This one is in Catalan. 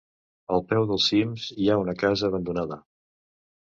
al peu dels cims hi ha una casa abandonada